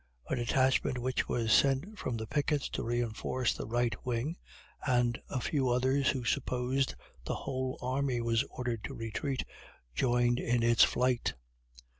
A detachment which was sent from the pickets to reinforce the right wing, and a few others who supposed the whole army was ordered to retreat, joined in its flight.